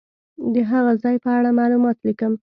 د هغه ځای په اړه معلومات لیکم.